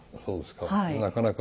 そうですか。